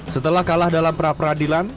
setelah kalah dalam pra peradilan